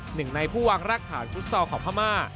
หนึ่งในผู้วางรากฐานฟุตซอลของพม่า